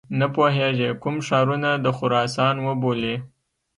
نه پوهیږي کوم ښارونه د خراسان وبولي.